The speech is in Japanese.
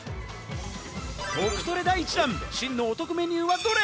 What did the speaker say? トクトレ第１弾、真のお得メニューはどれ？